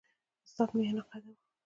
استاد میانه قده وو.